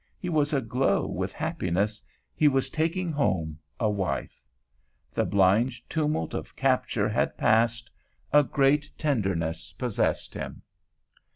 He was aglow with happiness; he was taking home a wife. The blind tumult of capture had passed; a great tenderness possessed him.